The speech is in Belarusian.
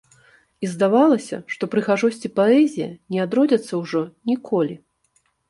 І здавалася, што прыгажосць і паэзія не адродзяцца ўжо ніколі.